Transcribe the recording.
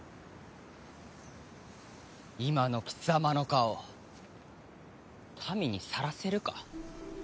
今の貴様の顔民にさらせるか？